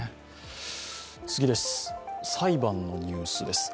裁判のニュースです。